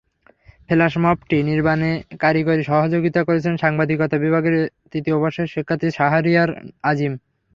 Flush মবটি নির্মাণে কারিগরি সহযোগিতা করেছেন সাংবাদিকতা বিভাগের তৃতীয় বর্ষের শিক্ষার্থী শাহরিয়ার আজিম।